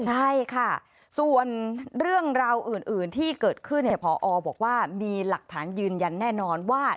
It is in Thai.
ใช่ค่ะส่วนเรื่องราวอื่นที่เกิดขึ้นพอบอกว่ามีหลักฐานยืนยันแน่นอนว่า